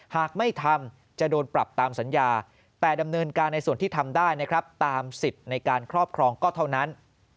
หากไม่ทำจะโดนปรับตามสัญญาแต่ดำเนินการในส่วนที่ทำได้นะครับตามสิทธิ์ในการครอบครองก็เท่านั้น